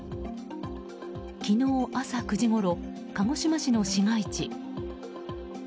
昨日朝９時ごろ鹿児島市の市街地。